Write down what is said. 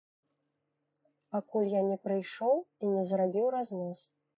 Пакуль я не прыйшоў і не зрабіў разнос.